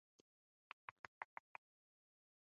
او ارزښت يې هم تر ډېره بريده ارزول شوى،